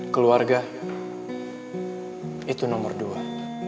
keluarga itu nomor dua